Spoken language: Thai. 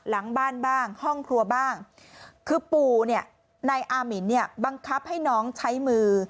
หลังบ้านบ้างห้องครัวบ้างคือปู่ในอามินบังคับให้น้องใช้มือ